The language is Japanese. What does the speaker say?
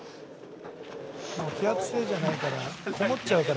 「揮発性じゃないから。